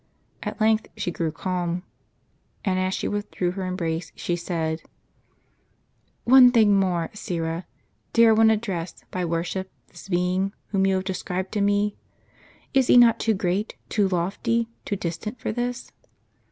At length she grew calm; and as she Avithdrew her embrace she said :" One thing more, Syra : dare one address, by worship, this Being whom you have described to me ? Is He not too great, too lofty, too distant for this